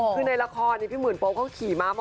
คือในราคอนปิ้งมาพี่มื่นโป๊บเข้าขี่มา